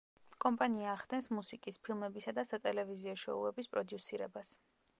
კომპანია ახდენს მუსიკის, ფილმებისა და სატელევიზიო შოუების პროდიუსირებას.